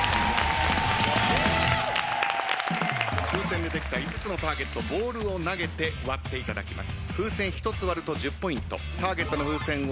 風船でできた５つのターゲットボールを投げて割っていただきます。